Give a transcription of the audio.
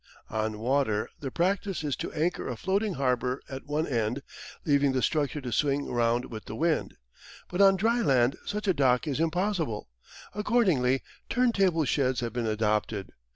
On water the practice is to anchor a floating harbour at one end, leaving the structure to swing round with the wind. But on dry land such a dock is impossible. Accordingly turntable sheds have been adopted.